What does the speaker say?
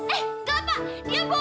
eh enggak pak